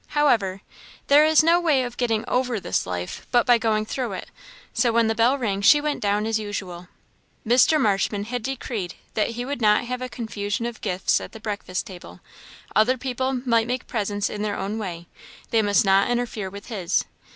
However, there is no way of getting over this life but by going through it; so when the bell rang she went down as usual. Mr. Marshman had decreed that he would not have a confusion of gifts at the breakfast table; other people might make presents in their own way; they must not interfere with his.